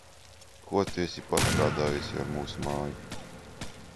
Ko tu esi pastrādājusi ar mūsu māju?